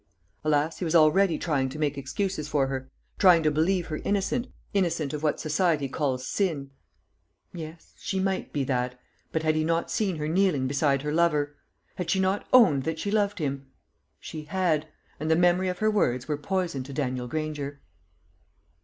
Alas, he was already trying to make excuses for her trying to believe her innocent, innocent of what society calls sin yes, she might be that. But had he not seen her kneeling beside her lover? Had she not owned that she loved him? She had; and the memory of her words were poison to Daniel Granger.